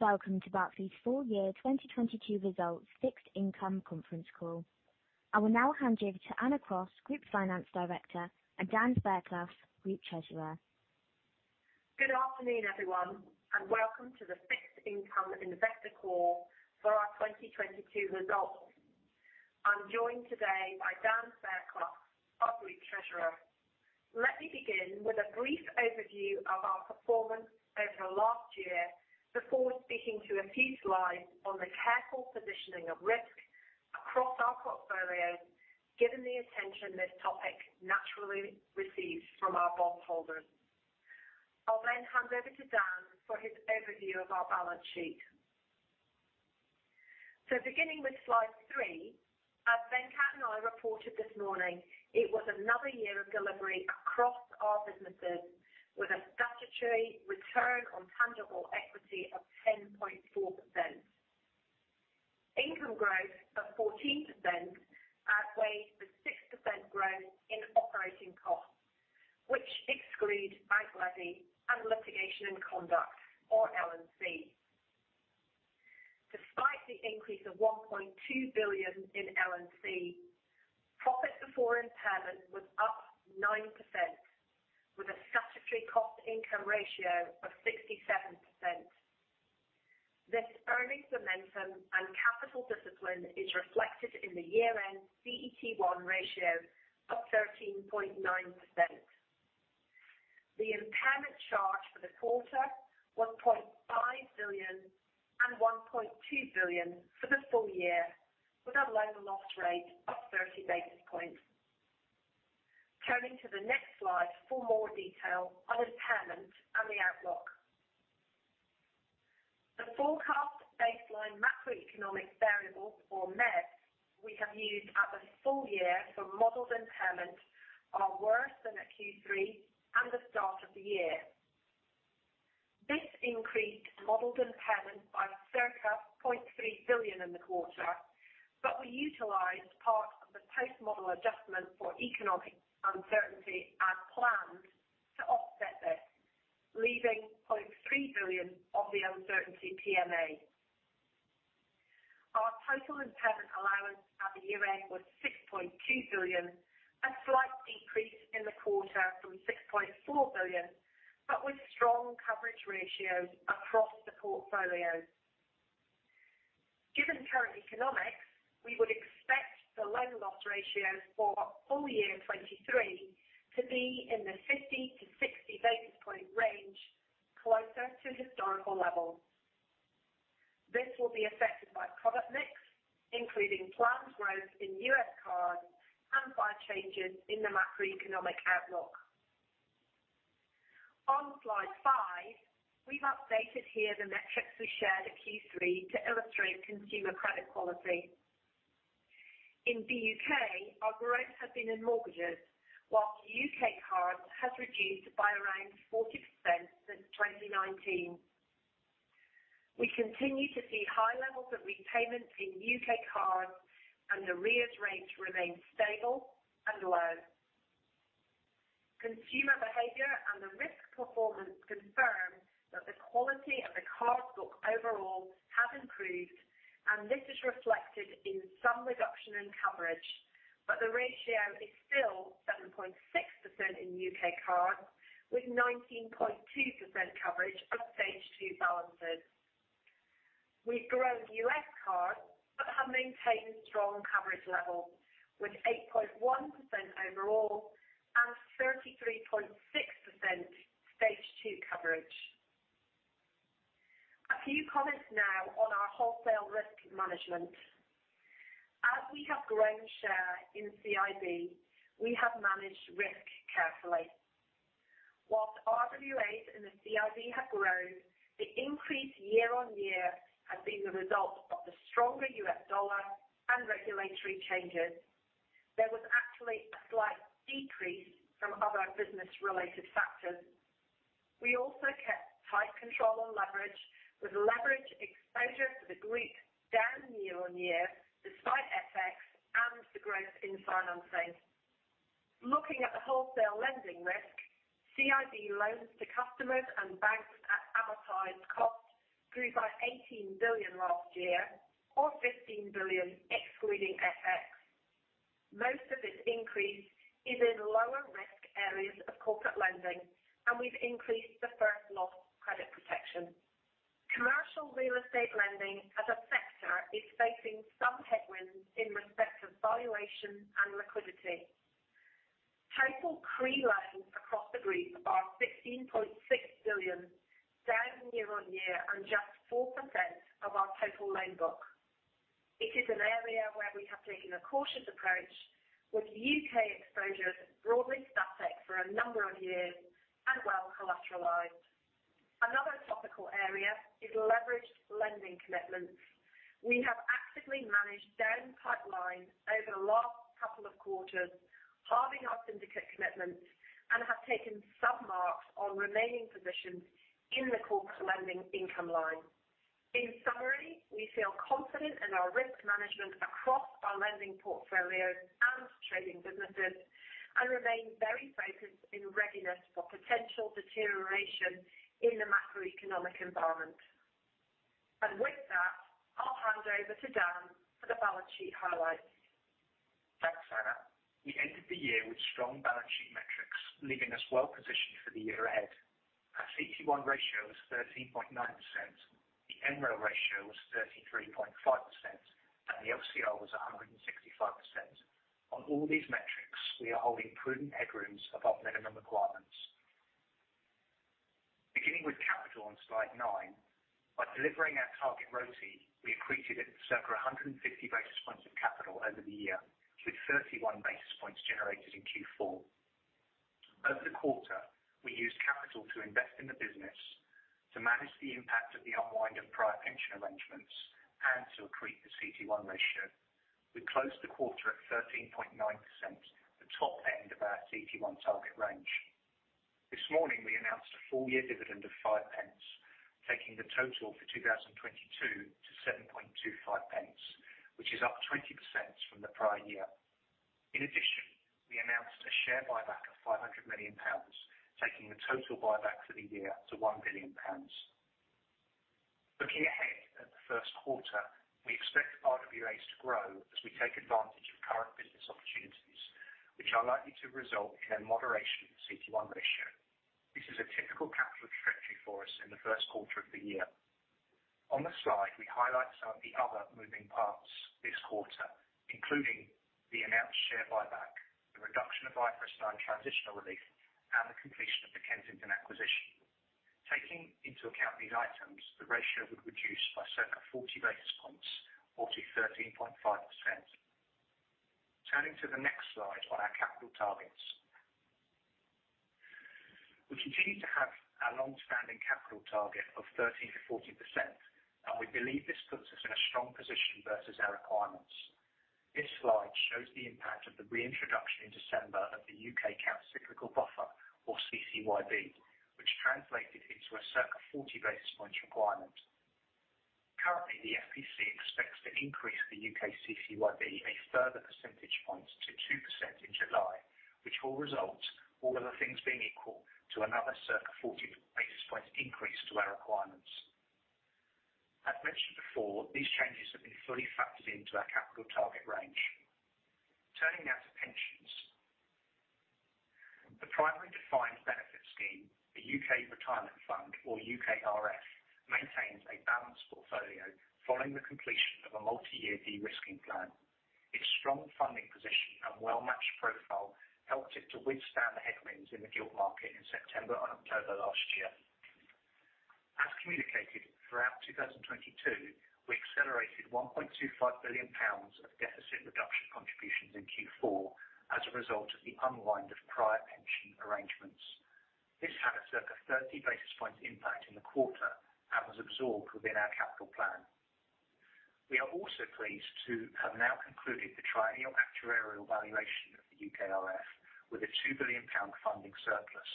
Welcome to Barclays Full Year 2022 results Fixed Income conference call. I will now hand you over to Anna Cross, Group Finance Director, and Dan Fairclough, Group Treasurer. Good afternoon, everyone, welcome to the Fixed Income Investor Call for our 2022 results. I'm joined today by Dan Fairclough, our Group Treasurer. Let me begin with a brief overview of our performance over the last year before speaking to a few slides on the careful positioning of risk across our portfolio, given the attention this topic naturally receives from our bondholders. I'll hand over to Dan for his overview of our balance sheet. Beginning with slide 3, as Venkat and I reported this morning, it was another year of delivery across our businesses with a statutory return on tangible equity of 10.4%. Income growth of 14% outweighed the 6% growth in operating costs, which exclude bank levy and litigation and conduct, or L&C. Despite the increase of 1.2 billion in L&C, profit before impairment was up 9% with a statutory cost income ratio of 67%. This earnings momentum and capital discipline is reflected in the year-end CET1 ratio of 13.9%. The impairment charge for the quarter, 1.5 billion and 1.2 billion for the full year with a loan loss rate of 30 basis points. Turning to the next slide for more detail on impairment and the outlook. The forecast baseline macroeconomic variables, or MEVs, we have used at the full year for modeled impairment are worse than at Q3 and the start of the year. This increased modeled impairment by circa 0.3 billion in the quarter, but we utilized part of the post-model adjustment for economic uncertainty as planned to offset this, leaving 0.3 billion of the uncertainty PMA. Our total impairment allowance at the year-end was 6.2 billion, a slight decrease in the quarter from 6.4 billion, with strong coverage ratios across the portfolio. Given current economics, we would expect the loan loss ratios for full year 2023 to be in the 50-60 basis point range, closer to historical levels. This will be affected by product mix, including planned growth in U.S. cards and by changes in the macroeconomic outlook. On slide 5, we've updated here the metrics we shared at Q3 to illustrate consumer credit quality. In the U.K., our growth has been in mortgages, while U.K. cards has reduced by around 40% since 2019. We continue to see high levels of repayments in U.K. cards, arrears rates remain stable and low. Consumer behavior and the risk performance confirm that the quality of the card book overall has improved, and this is reflected in some reduction in coverage, but the ratio is still 7.6% in UK cards, with 19.2% coverage of Stage 2 balances. We've grown US cards but have maintained strong coverage levels with 8.1% overall and 33.6% Stage 2 coverage. A few comments now on our wholesale risk management. As we have grown share in CIB, we have managed risk carefully. Whilst RWAs in the CIB have grown, the increase year-on-year has been the result of the stronger US dollar and regulatory changes. There was actually a slight decrease from other business-related factors. We also kept tight control on leverage, with leverage exposure for the group down year on year despite FX and the growth in financing. Looking at the wholesale lending risk, CIB loans to customers and banks at advertised cost grew by 18 billion last year or 15 billion excluding FX. Most of this increase is in lower-risk areas of corporate lending, and we've increased the first loss credit protection. Commercial real estate lending as a sector is facing some headwinds in respect of valuation and liquidity. Total CRE loans across the group are 16.6 billion, down year on year and just 4% of our total loan book. It is an area where we have taken a cautious approach, with UK exposure broadly static for a number of years and well collateralized. Another topical area is leveraged lending commitments. We have actively managed down pipelines over the last couple of quarters, halving our syndicate commitments, and have taken some marks on remaining positions in the corporate lending income line. In summary, we feel confident in our risk management across our lending portfolios and trading businesses, and remain very focused in readiness for potential deterioration in the macroeconomic environment. With that, I'll hand over to Dan for the balance sheet highlights. Thanks, Anna. We ended the year with strong balance sheet metrics, leaving us well positioned for the year ahead. Our CET1 ratio is 13.9%. The MREL ratio was 33.5%, and the LCR was 165%. On all these metrics, we are holding prudent headrooms above minimum requirements. Beginning with capital on slide nine, by delivering our target RoTSE, we accreted circa 150 basis points of capital over the year, with 31 basis points generated in Q4. Over the quarter, we used capital to invest in the business to manage the impact of the unwind of prior pension arrangements and to accrete the CET1 ratio. We closed the quarter at 13.9%, the top end of our CET1 target range. This morning we announced a full year dividend of 0.05, taking the total for 2022 to 0.0725, which is up 20% from the prior year. In addition, we announced a share buyback of 500 million pounds, taking the total buyback for the year to 1 billion pounds. Looking ahead at the first quarter, we expect RWAs to grow as we take advantage of current business opportunities, which are likely to result in a moderation of the CET1 ratio. This is a typical capital trajectory for us in the first quarter of the year. On the slide, we highlight some of the other moving parts this quarter, including the announced share buyback, the reduction of IFRS 9 transitional relief, and the completion of the Kensington acquisition. Taking into account these items, the ratio would reduce by circa 40 basis points or to 13.5%. Turning to the next slide on our capital targets. We continue to have our long-standing capital target of 13%-40%, and we believe this puts us in a strong position versus our requirements. This slide shows the impact of the reintroduction in December of the UK countercyclical buffer, or CCYB, which translated into a circa 40 basis points requirement. Currently, the FPC expects to increase the UK CCYB a further percentage point to 2% in July, which will result, all other things being equal, to another circa 40 basis points increase to our requirements. As mentioned before, these changes have been fully factored into our capital target range. Turning now to pensions. The primary defined benefit scheme, the UK Retirement Fund, or UKRF, maintains a balanced portfolio following the completion of a multi-year de-risking plan. Its strong funding position and well matched profile helped it to withstand the headwinds in the gilt market in September and October last year. As communicated, throughout 2022, we accelerated 1.25 billion pounds of deficit reduction contributions in Q4 as a result of the unwind of prior pension arrangements. This had a circa 30 basis points impact in the quarter and was absorbed within our capital plan. We are also pleased to have now concluded the triennial actuarial valuation of the UKRF with a 2 billion pound funding surplus.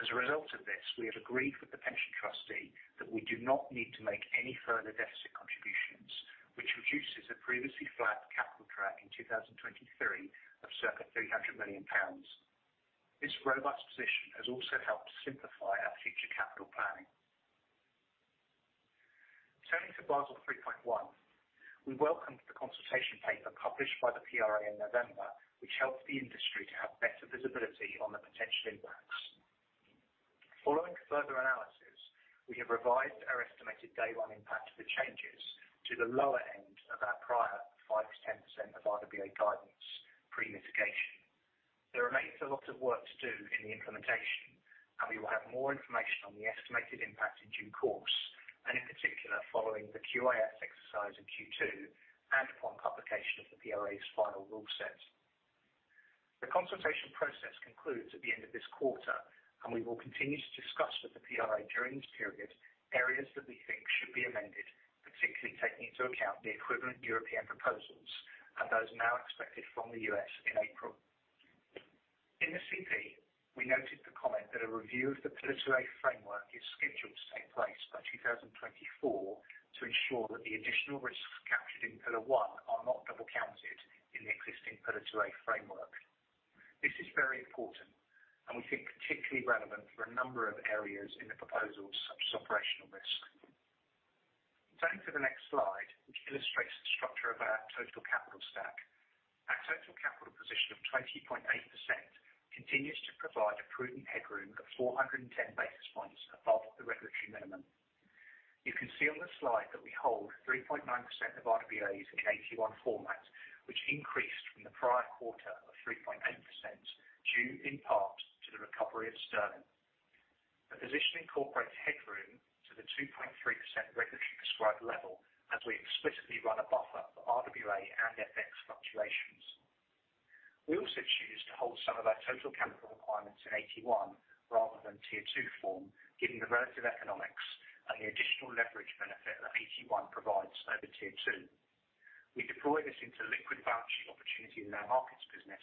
As a result of this, we have agreed with the pension trustee that we do not need to make any further deficit contributions, which reduces the previously flat capital track in 2023 of circa 300 million pounds. This robust position has also helped simplify our future capital planning. Turning to Basel 3.1. We welcomed the consultation paper published by the PRA in November, which helps the industry to have better visibility on the potential impacts. Following further analysis, we have revised our estimated day one impact of the changes to the lower end of our prior 5%-10% of RWA guidance pre-mitigation. There remains a lot of work to do in the implementation. We will have more information on the estimated impact in due course, in particular, following the QIS exercise in Q2 and upon publication of the PRA's final rule set. The consultation process concludes at the end of this quarter. We will continue to discuss with the PRA during this period areas that we think should be amended, particularly taking into account the equivalent European proposals and those now expected from the US in April. In the CP, we noted the comment that a review of the Pillar 2A framework is scheduled to take place by 2024 to ensure that the additional risks captured in Pillar 1 are not double counted in the existing Pillar 2A framework. This is very important and we think particularly relevant for a number of areas in the proposals such as operational risk. Turning to the next slide, which illustrates the structure of our total capital stack. Our total capital position of 20.8% continues to provide a prudent headroom of 410 basis points above the regulatory minimum. You can see on this slide that we hold 3.9% of RWAs in AT1 format, which increased from the prior quarter of 3.8% due in part to the recovery of Sterling. The position incorporates headroom to the 2.3% regulatory prescribed level as we explicitly run a buffer for RWA and FX fluctuations. We also choose to hold some of our total capital requirements in AT1 rather than Tier 2 form, given the relative economics and the additional leverage benefit that AT1 provides over Tier 2. We deploy this into liquid balancing opportunity in our markets business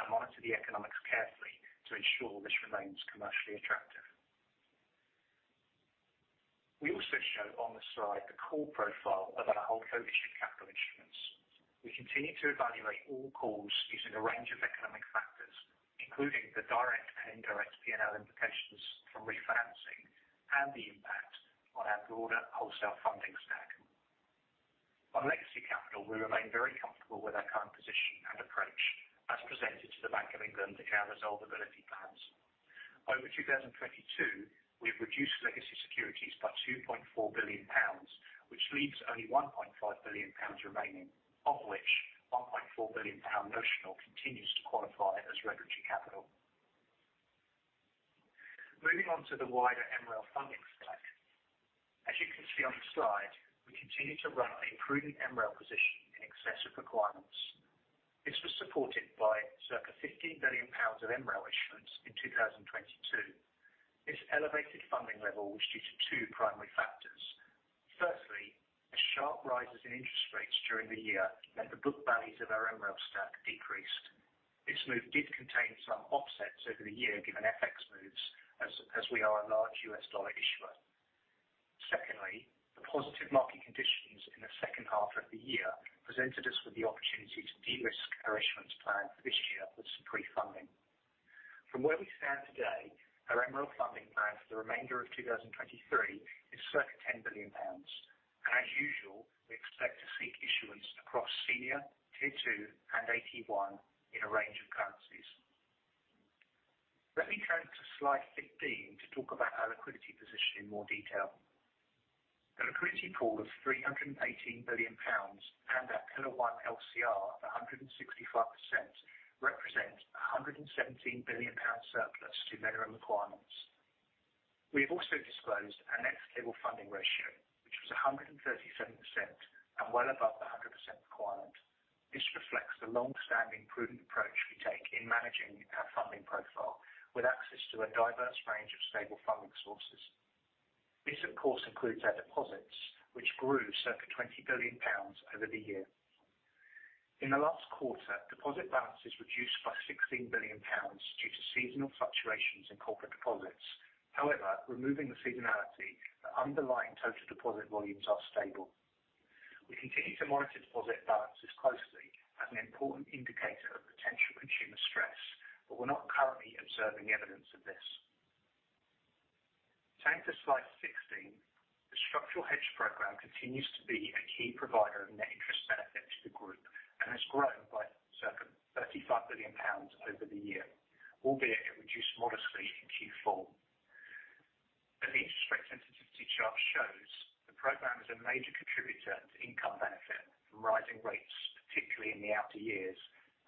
and monitor the economics carefully to ensure this remains commercially attractive. We also show on the slide the core profile of our whole focus shift capital instruments. We continue to evaluate all calls using a range of economic factors, including the direct and indirect P&L implications from refinancing and the impact on our broader wholesale funding stack. On legacy capital, we remain very comfortable with our current position and approach as presented to the Bank of England in our resolvability plans. Over 2022, we've reduced legacy securities by 2.4 billion pounds, which leaves only 1.5 billion pounds remaining, of which 1.4 billion pound notional continues to qualify as regulatory capital. Moving on to the wider MREL funding stack. As you can see on the slide, we continue to run a prudent MREL position in excess of requirements. This was supported by circa 50 billion pounds of MREL issuance in 2022. This elevated funding level was due to two primary factors. Firstly, as sharp rises in interest rates during the year meant the book values of our MREL stack decreased. This move did contain some offsets over the year given FX moves as we are a large US dollar issuer. Secondly, the positive market conditions in the second half of the year presented us with the opportunity to de-risk our issuance plan for this year with some pre-funding. From where we stand today, our MREL funding plan for the remainder of 2023 is circa 10 billion pounds. As usual, we expect to seek issuance across senior, Tier 2, and AT1 in a range of currencies. Let me turn to slide 15 to talk about our liquidity position in more detail. The liquidity pool of 318 billion pounds and our Pillar 1 LCR of 165% represent a 117 billion pound surplus to minimum requirements. We have also disclosed our net stable funding ratio, which was 137% and well above the 100% requirement. This reflects the long-standing prudent approach we take in managing our funding profile with access to a diverse range of stable funding sources. This, of course, includes our deposits, which grew circa 20 billion pounds over the year. In the last quarter, deposit balances reduced by 16 billion pounds due to seasonal fluctuations in corporate deposits. However, removing the seasonality, the underlying total deposit volumes are stable. We continue to monitor deposit balances closely as an important indicator of potential consumer stress, but we're not currently observing evidence of this. Turning to slide 16. The structural hedge program continues to be a key provider of net interest benefit to the group and has grown by circa 35 billion pounds over the year, albeit it reduced modestly in Q4. As the interest rate sensitivity chart shows, the program is a major contributor to income benefit from rising rates, particularly in the outer years,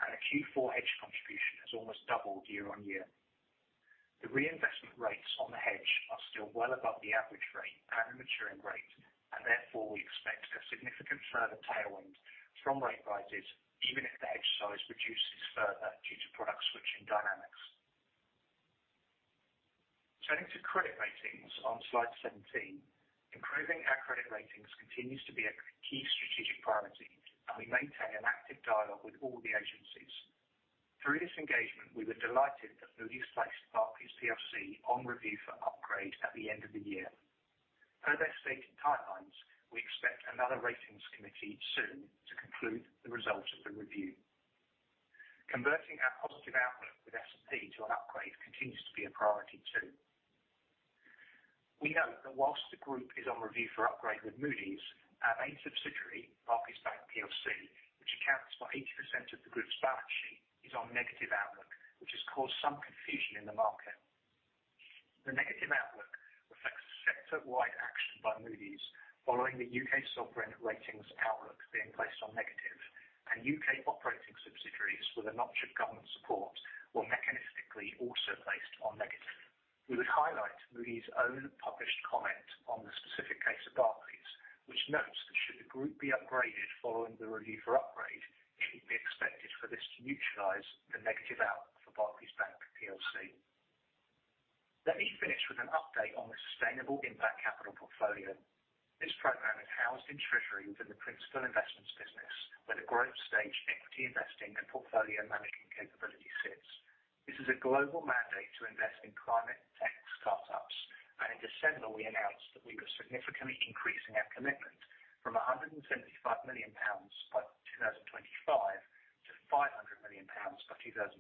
and our Q4 hedge contribution has almost doubled year-on-year. The reinvestment rates on the hedge are still well above the average rate and the maturing rate, and therefore, we expect a significant further tailwind from rate rises, even if the hedge size reduces further due to product switching dynamics. Turning to credit ratings on slide 17. Improving our credit ratings continues to be a key strategic priority, and we maintain an active dialogue with all the agencies. Through this engagement, we were delighted that Moody's placed Barclays PLC on review for upgrade at the end of the year. Per their stated timelines, we expect another ratings committee soon to conclude the results of the review. Converting our positive outlook with S&P to an upgrade continues to be a priority too. We note that whilst the group is on review for upgrade with Moody's, our main subsidiary, Barclays Bank PLC, which accounts for 80% of the group's balance sheet, is on negative outlook, which has caused some confusion in the market. The negative outlook reflects sector-wide action by Moody's following the U.K. sovereign ratings outlook being placed on negative and U.K. operating subsidiaries with a notch of government support were mechanistically also placed on negative. We would highlight Moody's own published comment on the specific case of Barclays, which notes that should the group be upgraded following the review for upgrade, it should be expected for this to neutralize the negative outlook for Barclays Bank PLC. Let me finish with an update on the sustainable impact capital portfolio. This program is housed in treasury within the principal investments business, where the growth stage equity investing and portfolio managing capability sits. This is a global mandate to invest in climate tech startups. In December, we announced that we were significantly increasing our commitment from 175 million pounds by 2025 to 500 million pounds by 2027.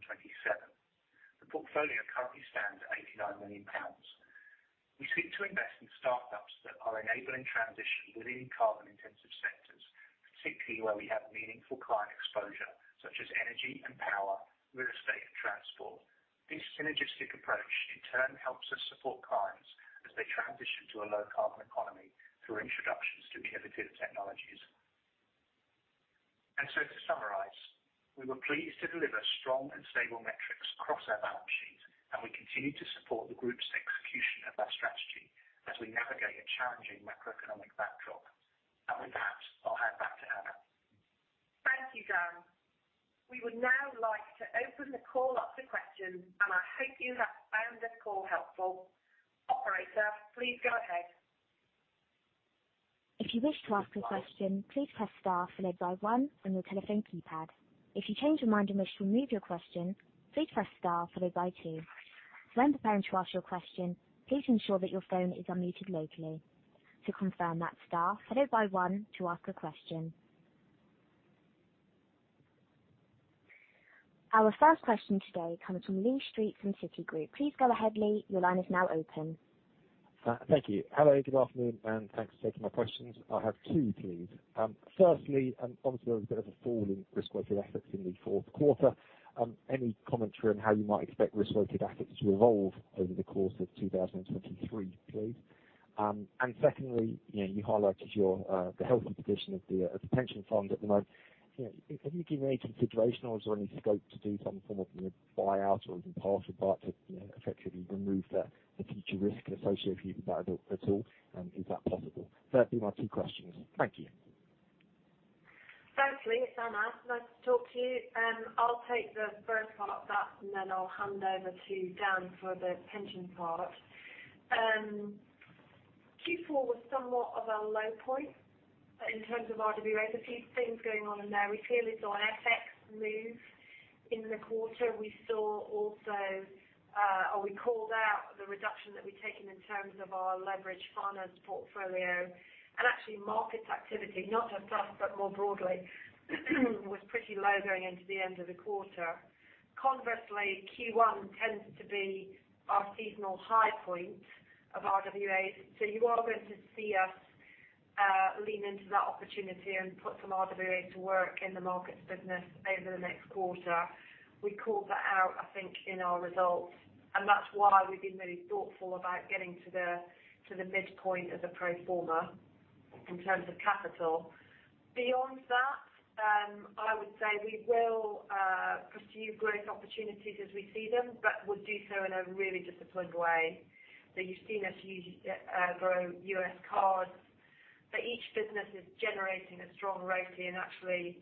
The portfolio currently stands at 89 million pounds. We seek to invest in startups that are enabling transition within carbon-intensive sectors, particularly where we have meaningful client exposure, such as energy and power, real estate, and transport. This synergistic approach, in turn, helps us support clients as they transition to a low carbon economy through introductions to innovative technologies. To summarize, we were pleased to deliver strong and stable metrics across our balance sheet, and we continue to support the group's execution of our strategy as we navigate a challenging macroeconomic backdrop. I'll hand back to Anna. Thank you, Dan. We would now like to open the call up to questions, and I hope you have found this call helpful. Operator, please go ahead. If you wish to ask a question, please press star followed by one on your telephone keypad. If you change your mind and wish to remove your question, please press star followed by two. When preparing to ask your question, please ensure that your phone is unmuted locally. To confirm, that's star followed by one to ask a question. Our first question today comes from Lee Street from Citigroup. Please go ahead, Lee. Your line is now open. Thank you. Hello, good afternoon, thanks for taking my questions. I have two please. Firstly, obviously there was a bit of a fall in Risk-Weighted Assets in the fourth quarter. Any commentary on how you might expect Risk-Weighted Assets to evolve over the course of 2023, please? Secondly, you highlighted your the healthy position of the pension fund at the moment. You know, have you given any consideration or is there any scope to do some form of, you know, buyout or even partial buyback to, you know, effectively remove the future risk associated with that at all? Is that possible? They're my two questions. Thank you. Thanks, Lee Street. It's Emma. Nice to talk to you. I'll take the first part of that, and then I'll hand over to Dan Fairclough for the pension part. Q4 was somewhat of a low point in terms of RWA. There are a few things going on in there. We clearly saw an FX move in the quarter. We saw also, or we called out the reduction that we've taken in terms of our leveraged finance portfolio. Actually markets activity, not just us, but more broadly, was pretty low going into the end of the quarter. Conversely, Q1 tends to be our seasonal high point of RWAs. You are going to see us lean into that opportunity and put some RWAs to work in the markets business over the next quarter. We called that out, I think, in our results. That's why we've been really thoughtful about getting to the midpoint as a pro forma in terms of capital. Beyond that, I would say we will pursue growth opportunities as we see them. We'll do so in a really disciplined way. You've seen us grow US cards. Each business is generating a strong ROCE and actually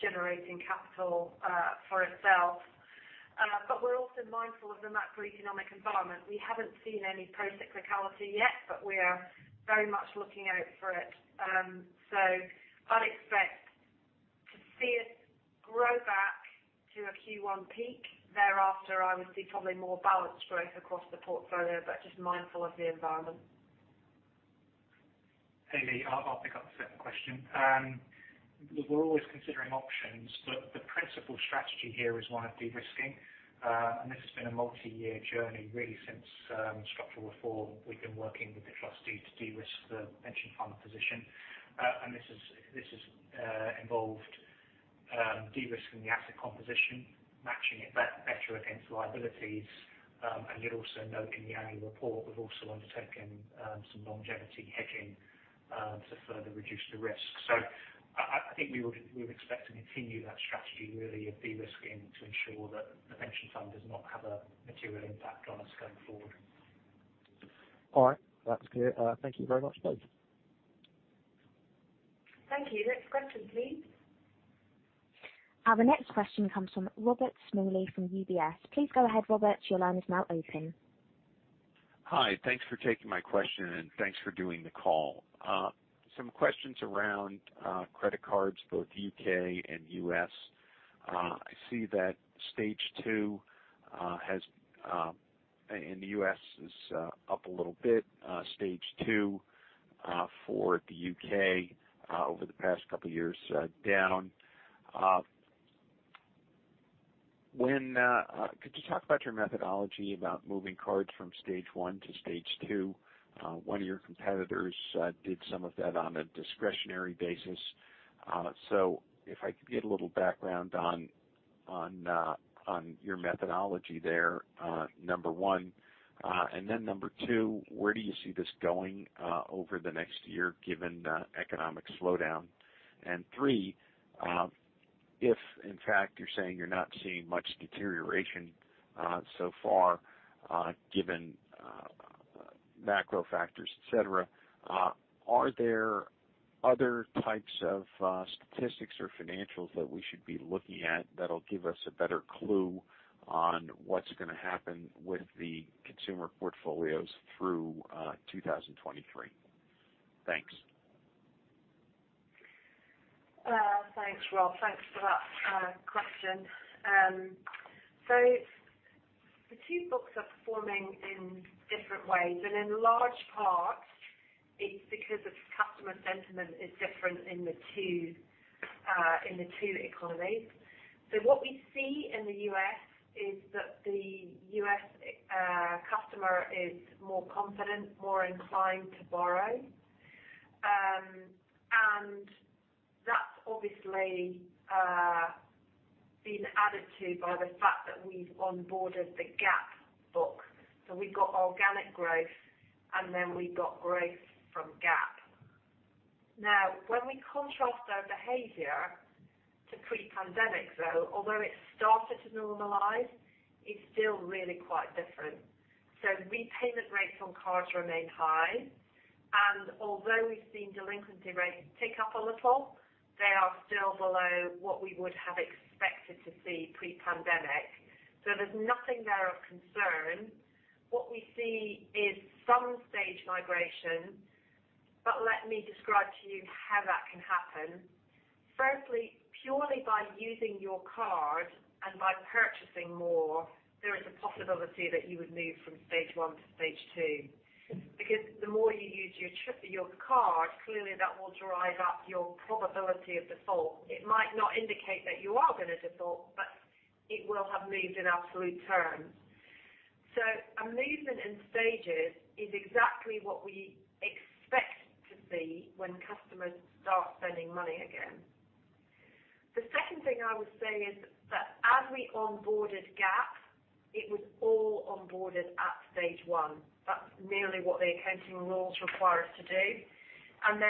generating capital for itself. We're also mindful of the macroeconomic environment. We haven't seen any procyclicality yet. We are very much looking out for it. I'd expect to see us grow back to a Q1 peak. Thereafter, I would see probably more balanced growth across the portfolio, just mindful of the environment. Hey, Lee, I'll pick up the second question. Look, we're always considering options, but the principle strategy here is one of de-risking. This has been a multi-year journey really since structural reform. We've been working with the trustees to de-risk the pension fund position. This has involved de-risking the asset composition, matching it better against liabilities. You'll also note in the annual report, we've also undertaken some longevity hedging to further reduce the risk. I think we would, we would expect to continue that strategy really of de-risking to ensure that the pension fund does not have a material impact on us going forward. All right. That's clear. Thank you very much. Bye. Thank you. Next question, please. The next question comes from Robert Smalley from UBS. Please go ahead, Robert. Your line is now open. Hi. Thanks for taking my question. Thanks for doing the call. Some questions around credit cards, both U.K. and U.S. I see that Stage 2 has in the U.S. is up a little bit. Stage 2 for the U.K. over the past couple of years down. Could you talk about your methodology about moving cards from Stage 1 to Stage 2? One of your competitors did some of that on a discretionary basis. If I could get a little background on your methodology there, number one. Then number two, where do you see this going over the next year given the economic slowdown? 3, if in fact you're saying you're not seeing much deterioration, so far, given macro factors, et cetera, are there other types of statistics or financials that we should be looking at that'll give us a better clue on what's gonna happen with the consumer portfolios through 2023? Thanks. Thanks, Rob. Thanks for that, question. The two books are performing in different ways, and in large part it's because it's customer sentiment is different in the two, in the two economies. What we see in the US is that the US customer is more confident, more inclined to borrow. That's obviously, been added to by the fact that we've onboarded the Gap book. We've got organic growth, and then we've got growth from Gap. Now, when we contrast their behavior to pre-pandemic though, although it's started to normalize, it's still really quite different. Repayment rates on cards remain high. And although we've seen delinquency rates tick up a little, they are still below what we would have expected to see pre-pandemic. There's nothing there of concern. What we see is some Stage migration, but let me describe to you how that can happen. Firstly, purely by using your card and by purchasing more, there is a possibility that you would move from Stage 1 to Stage 2, because the more you use your card, clearly that will drive up your probability of default. It might not indicate that you are going to default, but it will have moved in absolute terms. A movement in Stages is exactly what we expect to see when customers start spending money again. The second thing I would say is that as we onboarded Gap, it was all onboarded at Stage 1. That's merely what the accounting rules require us to do.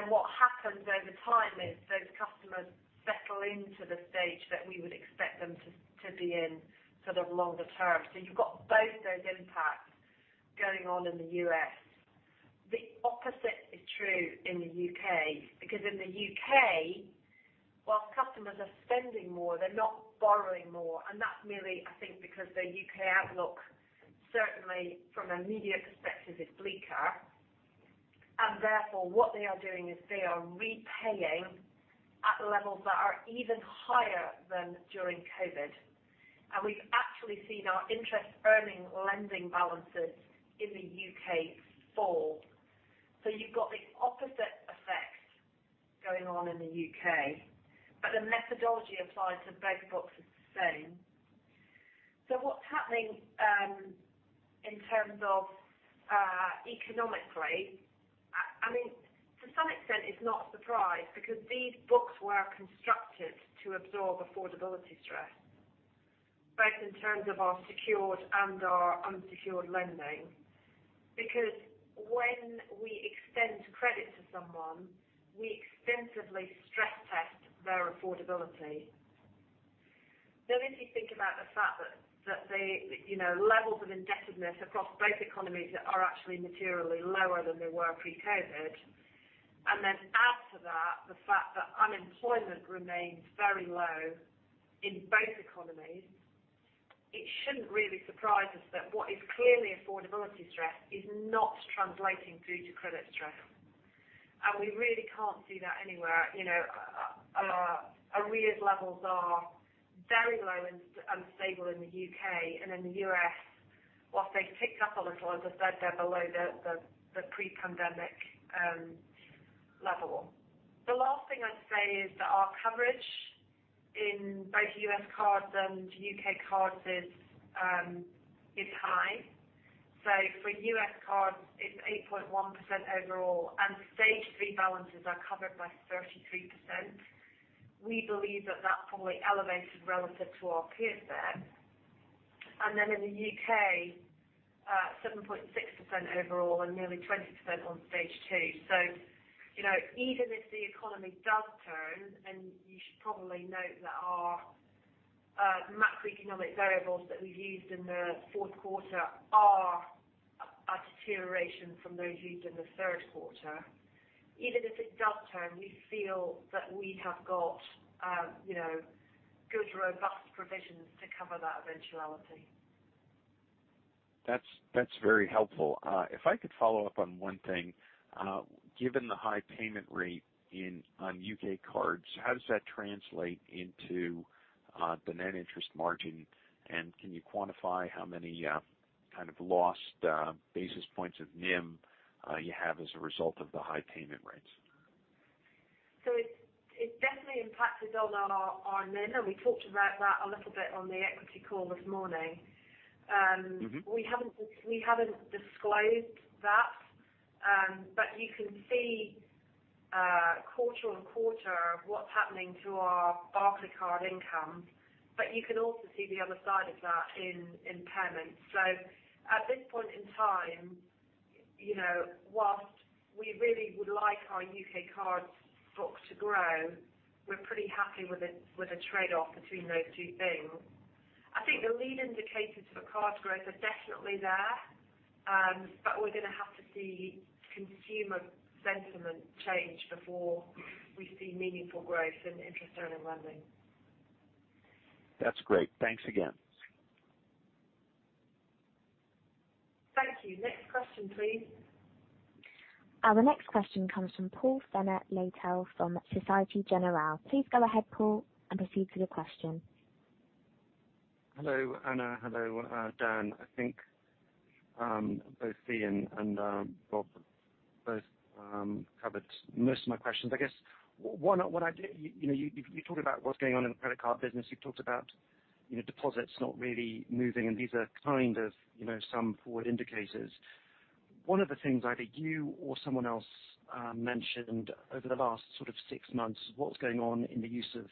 What happens over time is those customers settle into the Stage that we would expect them to be in sort of longer term. You've got both those impacts going on in the U.S. The opposite is true in the U.K., because in the U.K., whilst customers are spending more, they're not borrowing more. That's merely, I think, because the U.K. outlook, certainly from an immediate perspective, is bleaker. Therefore, what they are doing is they are repaying at levels that are even higher than during COVID. We've actually seen our interest earning lending balances in the U.K. fall. You've got the opposite effect going on in the U.K., but the methodology applies to both books the same. What's happening, in terms of, economically, I mean, to some extent it's not a surprise because these books were constructed to absorb affordability stress, both in terms of our secured and our unsecured lending. Because when we extend credit to someone, we extensively stress test their affordability. If you think about the fact that they, you know, levels of indebtedness across both economies are actually materially lower than they were pre-COVID. Add to that the fact that unemployment remains very low in both economies, it shouldn't really surprise us that what is clearly affordability stress is not translating through to credit stress. We really can't see that anywhere. You know, our arrears levels are very low and stable in the U.K. and in the U.S. Whilst they've ticked up a little, as I said, they're below the pre-pandemic level. The last thing I'd say is that our coverage in both U.S. cards and U.K. cards is high. For U.S. cards, it's 8.1% overall, and Stage 3 balances are covered by 33%. We believe that that's probably elevated relative to our peers there. In the UK, 7.6% overall and nearly 20% on Stage 2. Even if the economy does turn, you should probably note that our macroeconomic variables that we've used in the fourth quarter are a deterioration from those used in the third quarter. Even if it does turn, we feel that we have got, you know, good robust provisions to cover that eventuality. That's very helpful. If I could follow up on one thing. Given the high payment rate on UK cards, how does that translate into the net interest margin? Can you quantify how many kind of lost basis points of NIM you have as a result of the high payment rates? It's definitely impacted on our NIM, and we talked about that a little bit on the equity call this morning. Mm-hmm. We haven't disclosed that. You can see quarter-on-quarter what's happening to our Barclaycard income. You can also see the other side of that in impairments. At this point in time, you know, whilst we really would like our UK card stock to grow, we're pretty happy with the trade-off between those two things. I think the lead indicators for card growth are definitely there. We're gonna have to see consumer sentiment change before we see meaningful growth in interest earning lending. That's great. Thanks again. Thank you. Next question, please. Our next question comes from Paul Fenner-Leitao from Societe Generale. Please go ahead, Paul, and proceed with your question. Hello, Anna. Hello, Dan. I think both Steve and Bob both covered most of my questions. I guess one, you know, you talked about what's going on in the credit card business. You've talked about, you know, deposits not really moving, and these are kind of, you know, some forward indicators. One of the things either you or someone else mentioned over the last sort of six months, what's going on in the use of,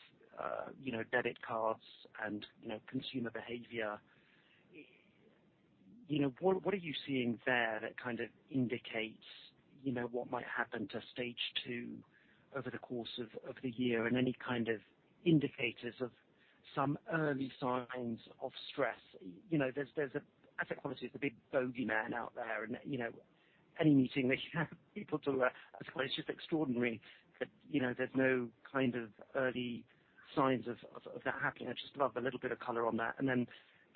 you know, debit cards and, you know, consumer behavior. You know, what are you seeing there that kind of indicates, you know, what might happen to Stage 2 over the course of the year and any kind of indicators of some early signs of stress? You know, there's asset quality is the big bogeyman out there. You know, any meeting that you have people to discuss, it's just extraordinary that, you know, there's no kind of early signs of that happening. I'd just love a little bit of color on that. Then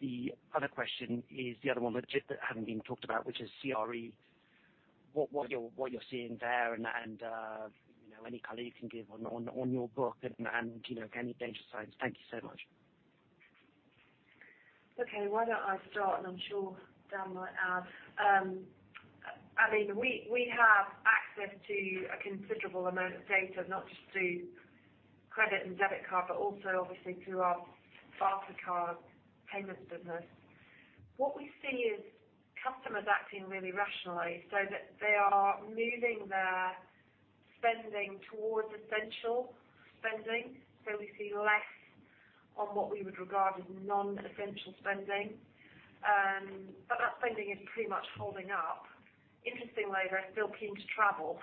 the other question is the other one that just hadn't been talked about, which is CRE. What you're seeing there and, you know, any color you can give on your book and, you know, any danger signs. Thank you so much. Okay, why don't I start, and I'm sure Dan might add. I mean, we have access to a considerable amount of data, not just through credit and debit card, but also obviously through our Mastercard payment business. What we see is customers acting really rationally, so that they are moving their spending towards essential spending. We see less on what we would regard as non-essential spending. That spending is pretty much holding up. Interestingly, they're still keen to travel,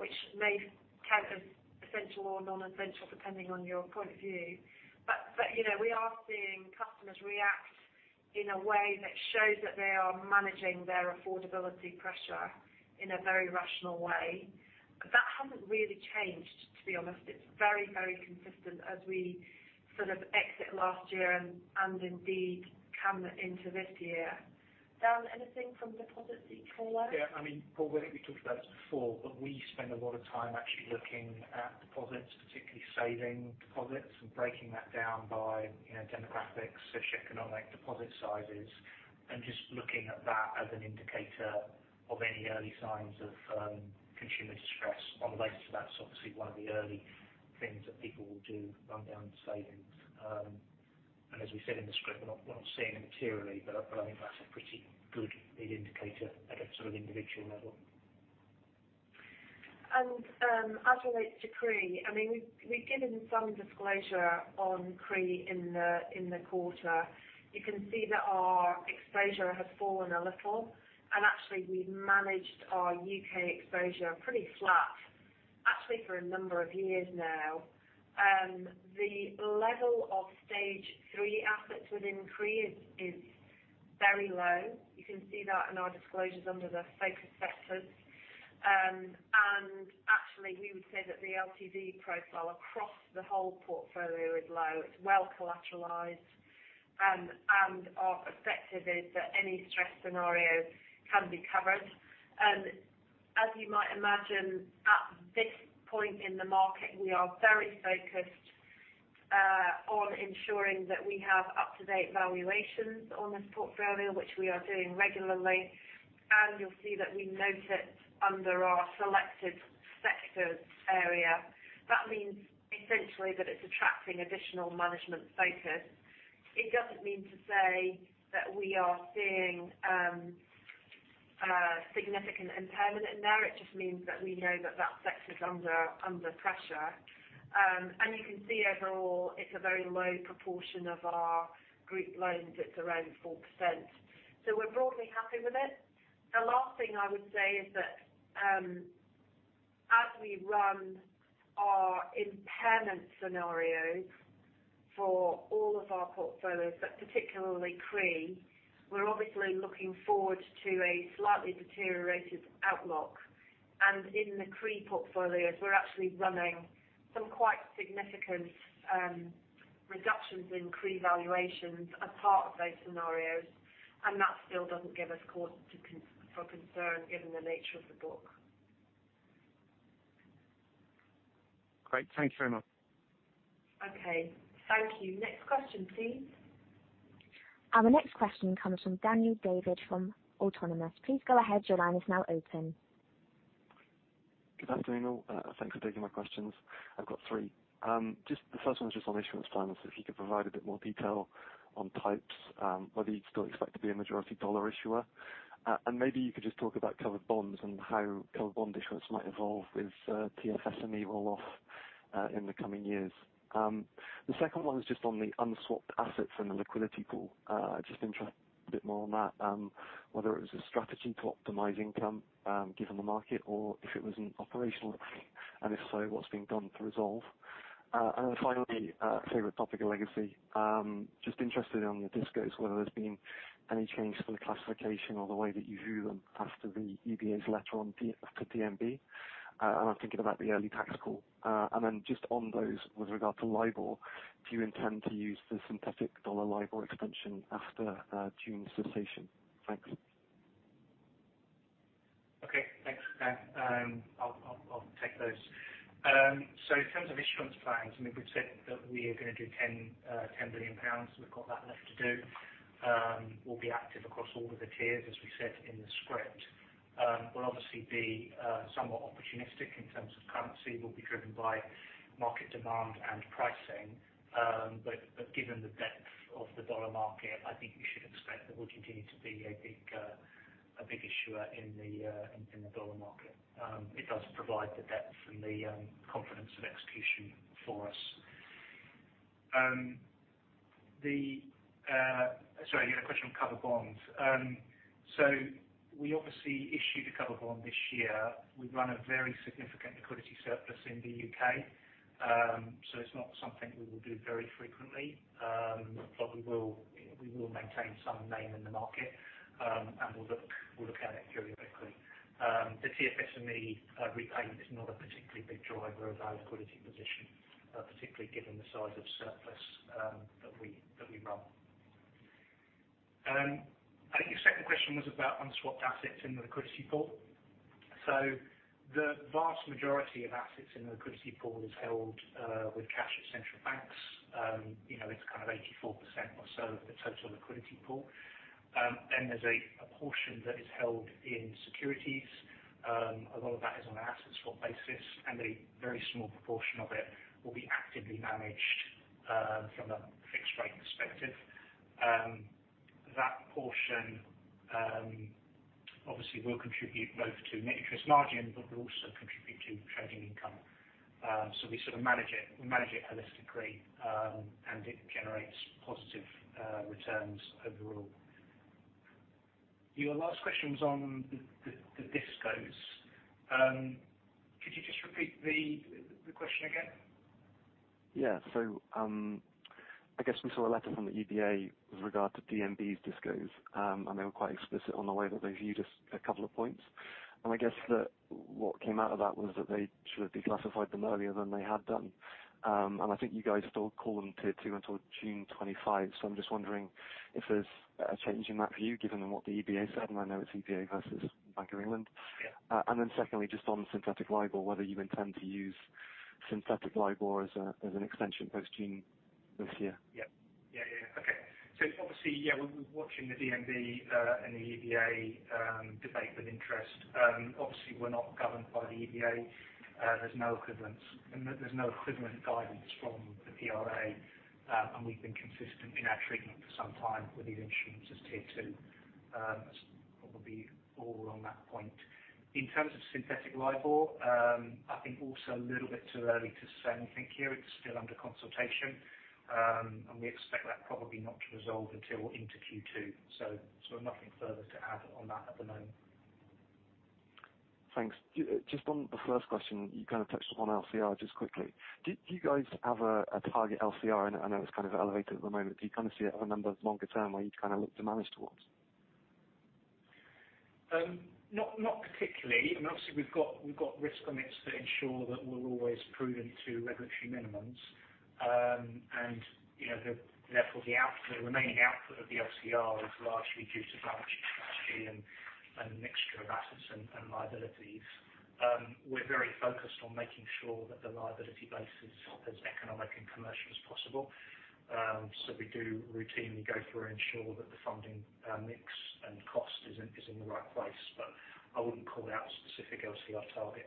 which may count as essential or non-essential, depending on your point of view. You know, we are seeing customers react in a way that shows that they are managing their affordability pressure in a very rational way. That hasn't really changed, to be honest. It's very, very consistent as we sort of exit last year and indeed come into this year. Dan, anything from deposit detour? I mean, Paul, I think we talked about this before, but we spend a lot of time actually looking at deposits, particularly saving deposits, and breaking that down by, you know, demographics, socioeconomic deposit sizes, and just looking at that as an indicator of any early signs of consumer distress on the rates. That's obviously one of the early things that people will do, run down savings. As we said in the script, we're not seeing it materially, but I think that's a pretty good lead indicator at a sort of individual level. As relates to CRE, I mean, we've given some disclosure on CRE in the quarter. You can see that our exposure has fallen a little, and actually we've managed our UK exposure pretty flat, actually for a number of years now. The level of Stage 3 assets within CRE is very low. You can see that in our disclosures under the focus sectors. Actually we would say that the LTV profile across the whole portfolio is low. It's well collateralized. Our perspective is that any stress scenario can be covered. As you might imagine, at this point in the market, we are very focused on ensuring that we have up-to-date valuations on this portfolio, which we are doing regularly. You'll see that we note it under our selected sectors area. That means essentially that it's attracting additional management focus. It doesn't mean to say that we are seeing significant impairment there. It just means that we know that that sector is under pressure. You can see overall, it's a very low proportion of our group loans. It's around 4%. We're broadly happy with it. The last thing I would say is that as we run our impairment scenarios for all of our portfolios, but particularly CRE, we're obviously looking forward to a slightly deteriorated outlook. In the CRE portfolios, we're actually running some quite significant reductions in CRE valuations as part of those scenarios. That still doesn't give us cause for concern given the nature of the book. Great. Thank you very much. Okay. Thank you. Next question, please. The next question comes from Daniel David from Autonomous. Please go ahead. Your line is now open. Good afternoon, all. Thanks for taking my questions. I've got three. Just the first one is just on issuance plans, if you could provide a bit more detail on types, whether you'd still expect to be a majority dollar issuer. You could talk about covered bonds and how covered bond issuance might evolve with TFSME roll off in the coming years. The second one is just on the unswapped assets and the liquidity pool. I'm just interested a bit more on that, whether it was a strategy to optimize income, given the market or if it was an operational issue, and if so, what's being done to resolve? Finally, favorite topic of legacy. Just interested on your DISCOs, whether there's been any change to the classification or the way that you view them after the EBA's letter on DNB. I'm thinking about the early tax call. Then just on those with regard to LIBOR, do you intend to use the synthetic dollar LIBOR extension after June cessation? Thanks. Thanks, Dan. I'll take those. In terms of issuance plans, I mean, we've said that we are going to do 10 billion pounds. We've got that left to do. We'll be active across all of the tiers, as we said in the script. We'll obviously be somewhat opportunistic in terms of currency. We'll be driven by market demand and pricing. Given the depth of the US dollar market, I think you should expect that we'll continue to be a big issuer in the US dollar market. It does provide the depth and the confidence of execution for us. Sorry, you had a question on covered bonds. We obviously issued a covered bond this year. We run a very significant liquidity surplus in the U.K., it's not something we will do very frequently. We will maintain some name in the market, and we'll look at it periodically. The TFSME repayment is not a particularly big driver of our liquidity position, particularly given the size of surplus that we run. I think your second question was about unswapped assets in the liquidity pool. The vast majority of assets in the liquidity pool is held with cash at central banks. You know, it's kind of 84% or so of the total liquidity pool. There's a portion that is held in securities. A lot of that is on an asset swap basis, and a very small proportion of it will be actively managed from a fixed rate perspective. That portion obviously will contribute both to net interest margin, but will also contribute to trading income. We sort of manage it, we manage it holistically, and it generates positive returns overall. Your last question was on the DISCOs. Could you just repeat the question again? Yeah. I guess we saw a letter from the EBA with regard to DNB's DISCOs, and they were quite explicit on the way that they viewed a couple of points. I guess that what came out of that was that they should have declassified them earlier than they had done. I think you guys still call them Tier 2 until June 25. I'm just wondering if there's a change in that view, given what the EBA said, and I know it's EBA versus Bank of England. Yeah. Secondly, just on synthetic LIBOR, whether you intend to use synthetic LIBOR as an extension post-June this year. Okay. Obviously, we're watching the DNB and the EBA debate with interest. Obviously, we're not governed by the EBA. There's no equivalent guidance from the PRA, and we've been consistent in our treatment for some time with these instruments as Tier 2. That's probably all on that point. In terms of synthetic LIBOR, I think also a little bit too early to say anything here. It's still under consultation. We expect that probably not to resolve until into Q2. Nothing further to add on that at the moment. Thanks. Just on the first question, you kind of touched upon LCR just quickly. Do you guys have a target LCR? I know it's kind of elevated at the moment. Do you kind of see a number longer term where you'd kind of look to manage towards? Not particularly. Obviously, we've got risk limits that ensure that we're always prudent to regulatory minimums. You know, therefore the remaining output of the LCR is largely due to balancing strategy and mixture of assets and liabilities. We're very focused on making sure that the liability base is as economic and commercial as possible. We do routinely go through and ensure that the funding mix and cost is in the right place. I wouldn't call out a specific LCR target.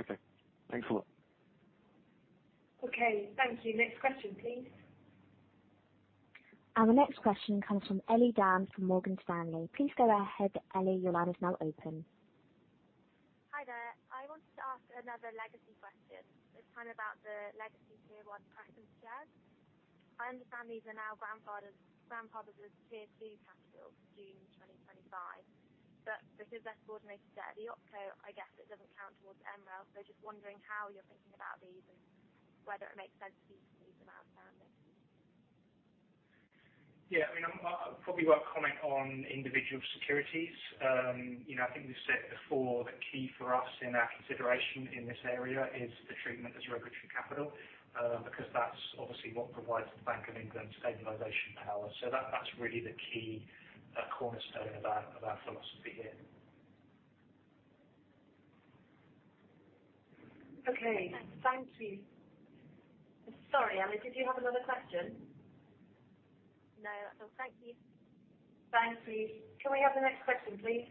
Okay. Thanks a lot. Okay, thank you. Next question, please. The next question comes from Ellie Dann from Morgan Stanley. Please go ahead, Ellie. Your line is now open. Hi there. I wanted to ask another legacy question. It's kind of about the legacy Tier 1 preference shares. I understand these are now grandfathered as Tier 2 capital June 2025. Because they're coordinated at the OpCo, I guess it doesn't count towards MREL. Just wondering how you're thinking about these and whether it makes sense to keep these amount standing. I mean, I'm probably won't comment on individual securities. You know, I think we've said before, the key for us in our consideration in this area is the treatment as regulatory capital, because that's obviously what provides the Bank of England stabilization power. That's really the key cornerstone of our philosophy here. Okay. Thank you. Sorry, Ellie, did you have another question? No, that's all. Thank you. Thanks, please. Can we have the next question, please?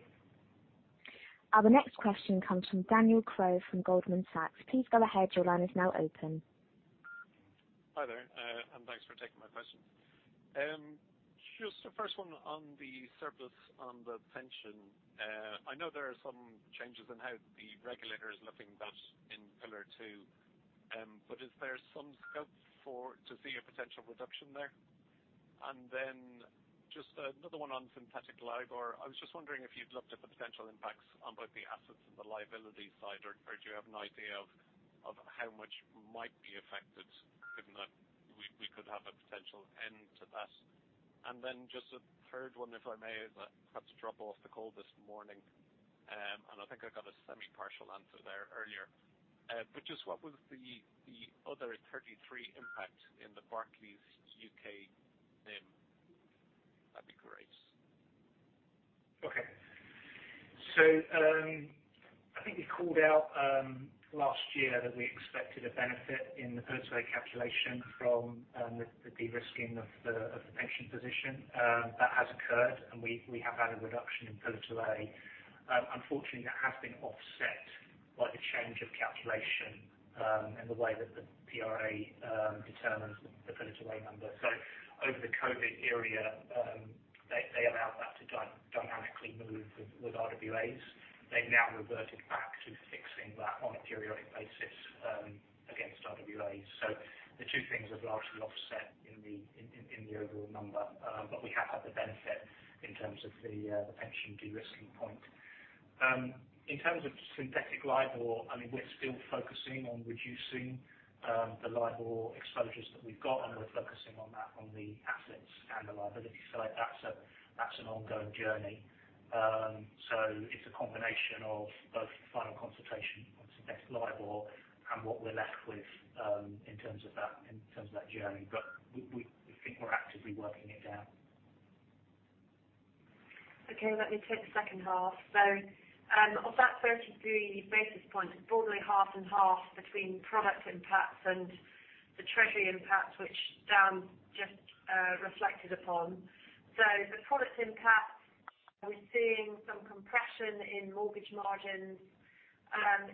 Our next question comes from Daniel Crooke from Goldman Sachs. Please go ahead, your line is now open. Hi there, thanks for taking my question. Just the first one on the surplus on the pension. I know there are some changes in how the regulator is looking at that in Pillar 2. Is there some scope to see a potential reduction there? Just another one on synthetic LIBOR. I was just wondering if you'd looked at the potential impacts on both the assets and the liability side, or do you have an idea of how much might be affected, given that we could have a potential end to that. Just a third one, if I may, that perhaps dropped off the call this morning. I think I got a semi partial answer there earlier. Just what was the other 33 impact in the Barclays UK NIM? That'd be great. I think we called out last year that we expected a benefit in the Pillar 2 calculation from the de-risking of the pension position that has occurred, and we have had a reduction in Pillar 2. Unfortunately, that has been offset by the change of calculation in the way that the PRA determines the Pillar 2 number. Over the COVID area, they allowed that to actually move with RWAs. They've now reverted back to fixing that on a periodic basis against RWAs. The two things have largely offset in the overall number. We have had the benefit in terms of the pension de-risking point. In terms of synthetic LIBOR, I mean, we're still focusing on reducing the LIBOR exposures that we've got, and we're focusing on that on the assets and the liabilities. That's an ongoing journey. It's a combination of both final consultation on synthetic LIBOR and what we're left with in terms of that, in terms of that journey. We think we're actively working it down. Let me take the second half. Of that 33 basis points is broadly half and half between product impacts and the treasury impacts, which Dan just reflected upon. The product impact, we're seeing some compression in mortgage margins,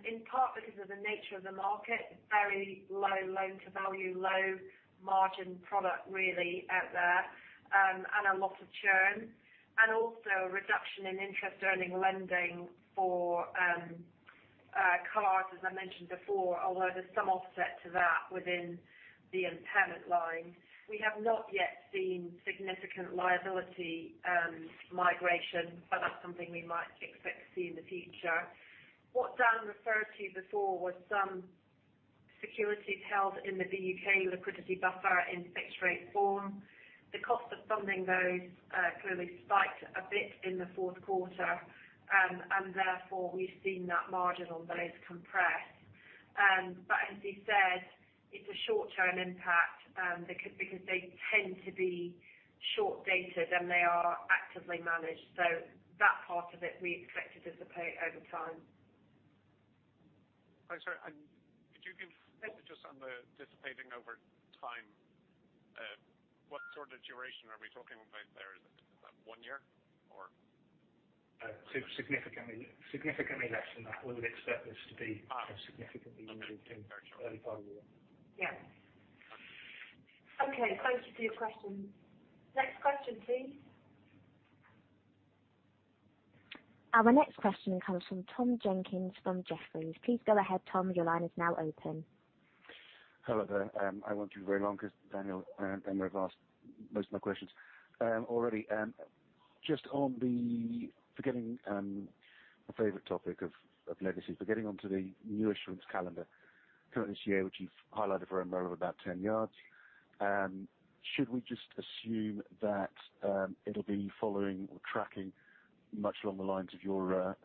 in part because of the nature of the market. Very low loan-to-value, low margin product really out there. A lot of churn. Also a reduction in interest earning lending for cars, as I mentioned before, although there's some offset to that within the impairment line. We have not yet seen significant liability migration, but that's something we might expect to see in the future. What Dan referred to before was some securities held in the U.K. liquidity buffer in fixed rate form. The cost of funding those clearly spiked a bit in the fourth quarter. Therefore we've seen that margin on those compress. As he said, it's a short-term impact, because they tend to be short-dated and they are actively managed. That part of it we expect to dissipate over time. I'm sorry. Could you confirm just on the dissipating over time, what sort of duration are we talking about there? Is that 1 year or? Significantly less than that. We would expect this to be. Ah. significantly removed in early part of the year. Yeah. Okay. Thank you for your question. Next question, please. Our next question comes from Tom Jenkins from Jefferies. Please go ahead, Tom. Your line is now open. Hello there. I won't be very long because Daniel and Emma have asked most of my questions already. Just on the forgetting, my favorite topic of legacies, but getting onto the new issuance calendar current this year, which you've highlighted for Emma of about 10 yards. Should we just assume that it'll be following or tracking much along the lines of your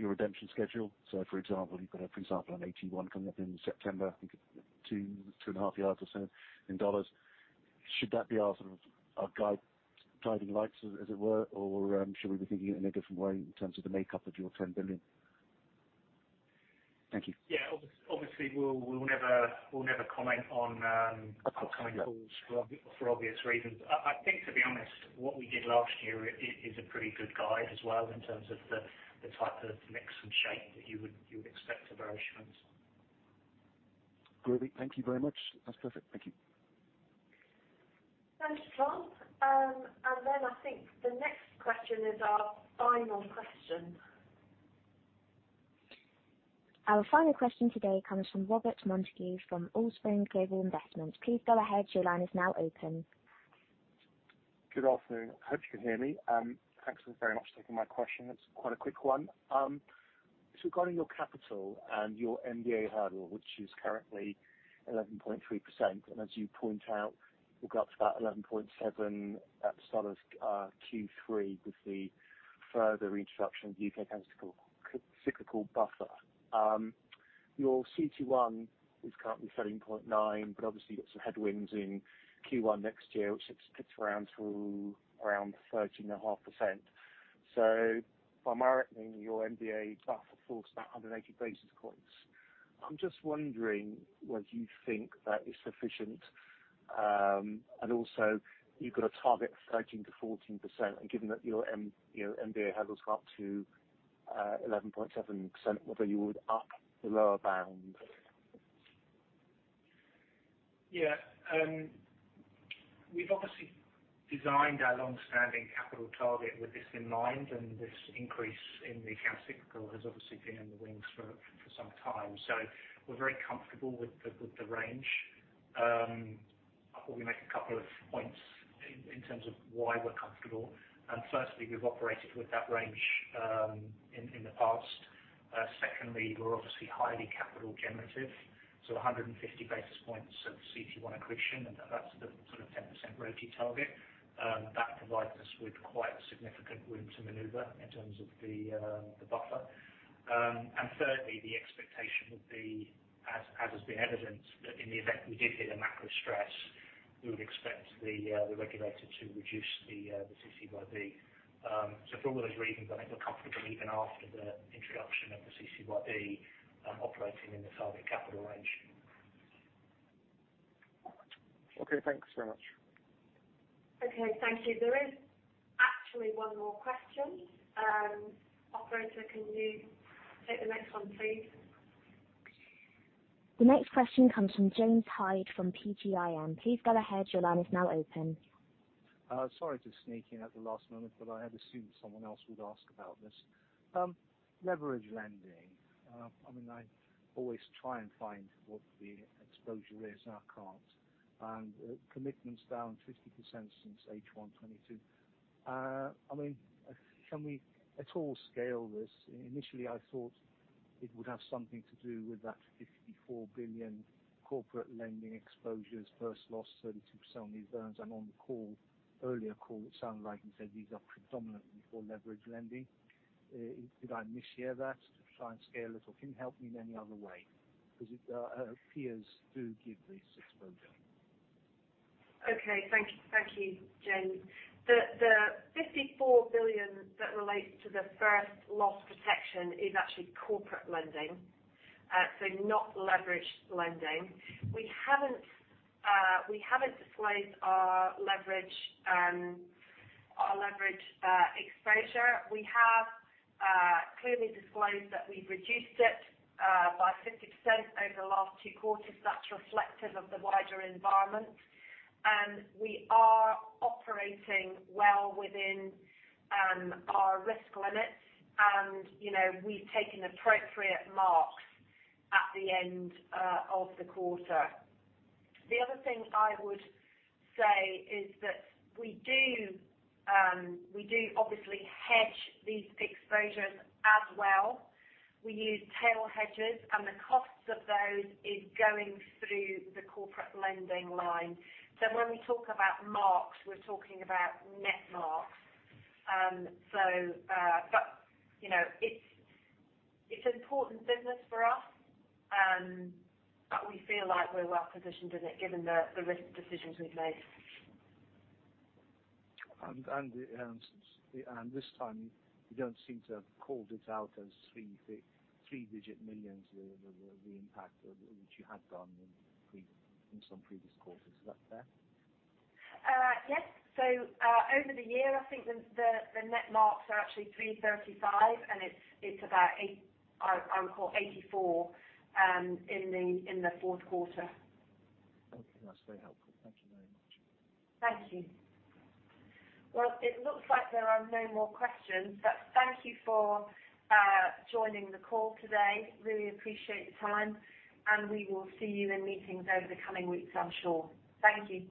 redemption schedule? For example, you've got, for example, an AT1 coming up in September, I think two and a half yards or so in USD. Should that be our sort of our guiding lights as it were? Or should we be thinking it in a different way in terms of the makeup of your $10 billion? Thank you. We'll never comment on upcoming calls for obvious reasons. I think to be honest, what we did last year is a pretty good guide as well in terms of the type of mix and shape that you would expect of our issuance. Lovely. Thank you very much. That's perfect. Thank you. Thanks, Tom. I think the next question is our final question. Our final question today comes from Robert Mumby from Ossian Global Investments. Please go ahead. Your line is now open. Good afternoon. Hope you can hear me. Thanks very much for taking my question. It's quite a quick one. Regarding your capital and your MDA hurdle, which is currently 11.3%, and as you point out, we've got about 11.7% at start of Q3 with the further introduction of UK countercyclical buffer. Your CET1 is currently 13.9%, but obviously you've got some headwinds in Q1 next year, which it spits around to around 13.5%. By my reckoning, your MDA buffer falls about 180 basis points. I'm just wondering whether you think that is sufficient? Also you've got a target of 13%-14%, and given that your, you know, MDA hurdle is up to 11.7%, whether you would up the lower bound? Yeah. We've obviously designed our longstanding capital target with this in mind, this increase in the countercyclical has obviously been in the wings for some time. We're very comfortable with the range. I probably make a couple of points in terms of why we're comfortable. Firstly, we've operated with that range in the past. Secondly, we're obviously highly capital generative. 150 basis points of CET1 accretion, and that's the sort of 10% RoTE target that provides us with quite significant room to maneuver in terms of the buffer. Thirdly, the expectation would be as has been evidenced, that in the event we did hit a macro stress, we would expect the regulator to reduce the CCYB. For all those reasons, I think we're comfortable even after the introduction of the CCYB, operating in the target capital range. Okay, thanks so much. Thank you. There is actually one more question. Operator, can you take the next one please? The next question comes from James Hyde from PGIM. Please go ahead. Your line is now open. Sorry to sneak in at the last moment, but I had assumed someone else would ask about this. I mean, leverage lending. I mean, I always try and find what the exposure is, and I can't. Commitments down 50% since H1 2022. I mean, can we at all scale this? Initially, I thought it would have something to do with that $54 billion corporate lending exposures first loss, 32% on these loans. On the call, earlier call, it sounded like you said these are predominantly for leverage lending. Did I mishear that, to try and scale it or can you help me in any other way? It, peers do give this exposure. Okay. Thank you. Thank you, James. The 54 billion that relates to the first loss protection is actually corporate lending, so not leveraged lending. We haven't disclosed our leverage exposure. We have clearly disclosed that we've reduced it by 50% over the last two quarters. That's reflective of the wider environment. We are operating well within our risk limits. You know, we've taken appropriate marks at the end of the quarter. The other thing I would say is that we do obviously hedge these exposures as well. We use tail hedges. The costs of those is going through the corporate lending line. When we talk about marks, we're talking about net marks. You know, it's important business for us. We feel like we're well positioned in it, given the risk decisions we've made. This time, you don't seem to have called it out as three-digit millions, the impact of which you had done in some previous quarters. Is that fair? Yes. Over the year, I think the net marks are actually 335, and it's about I would call 84 in the fourth quarter. Okay, that's very helpful. Thank you very much. Thank you. Well, it looks like there are no more questions, but thank you for joining the call today. Really appreciate the time, and we will see you in meetings over the coming weeks, I'm sure. Thank you.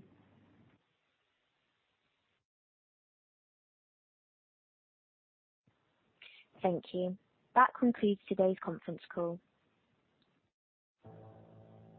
Thank you. That concludes today's conference call.